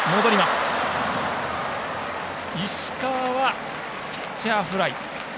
石川は、ピッチャーフライ。